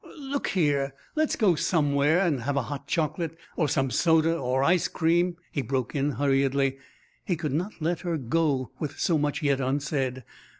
"Look here, let's go somewhere and have a hot choc'late, or some soda, or ice cream," he broke in hurriedly. He could not let her go with so much yet unsaid.